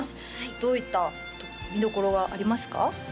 どういった見どころがありますか？